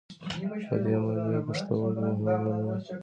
په دې عملیه پښتورګي مهم رول لري.